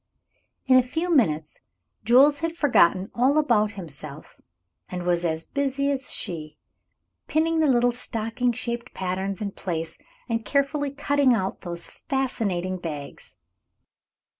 In a few minutes Jules had forgotten all about himself, and was as busy as she, pinning the little stocking shaped patterns in place, and carefully cutting out those fascinating bags.